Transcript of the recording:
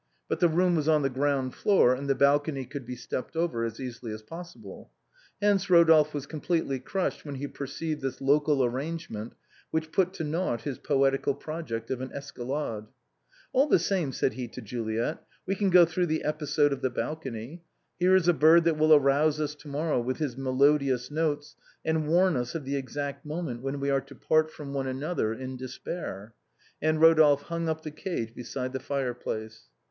But the room was on the ground floor, and the balcony could be stepped over as easily as possible. Hence Rodolphe was completely crushed when he per ceived this local arrangement, which put to naught his poetical project of an escalade. " All the same," said he to Juliet, " we can go through the episode of the balcony. Here is a bird that will arouse us to morrow with his melodious notes, and warn us of the exact moment when we are to part from one another in despair." And Rodolphe hung up the cage beside the fireplace.